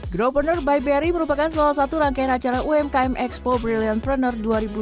grow burner by berry merupakan salah satu rangkaian acara umkm expo brilliant burner dua ribu dua puluh dua